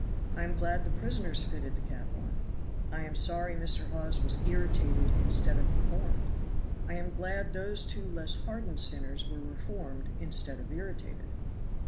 I am glad the prisoners fitted the cap on. I am sorry Mr. Hawes was irritated instead of reformed. I am glad those two less hardened sinners were reformed instead of irritated."